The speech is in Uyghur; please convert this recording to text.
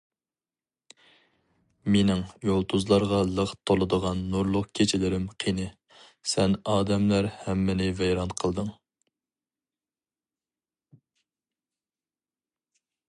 مېنىڭ يۇلتۇزلارغا لىق تولىدىغان نۇرلۇق كېچىلىرىم قېنى؟ سەن ئادەملەر ھەممىنى ۋەيران قىلدىڭ.